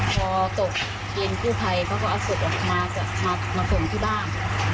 พอตกเย็นกู้ภัยเขาก็เอาศพออกมามาส่งที่บ้าน